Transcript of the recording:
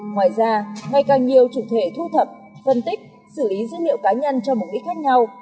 ngoài ra ngày càng nhiều chủ thể thu thập phân tích xử lý dữ liệu cá nhân cho mục đích khác nhau